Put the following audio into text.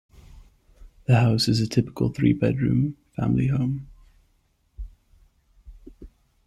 The house is a typical three-bedroom family home.